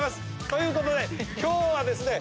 ということで今日はですね